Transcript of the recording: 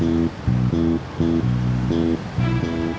jadi partner saeb